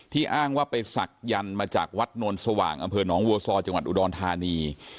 อ้างว่าไปศักดิ์มาจากวัดนวลสว่างอำเภอหนองวัวซอจังหวัดอุดรธานี